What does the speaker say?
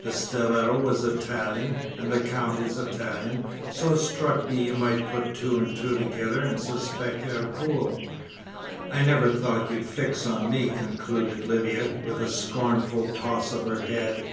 The stiletto was Italian, and the Count is Italian, so it struck me you might put two and two together and suspect Ercole. I never thought you'd fix on me," concluded Lydia, with a scornful toss of her head.